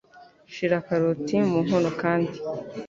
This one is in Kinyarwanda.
Shira karoti mu nkono kandi.